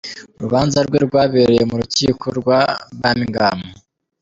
Urubanza rwe rwabereye mu rukiko rwa Birmingham.